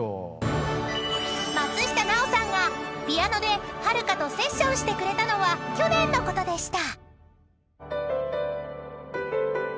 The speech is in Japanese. ［松下奈緒さんがピアノではるかとセッションしてくれたのは去年のことでした］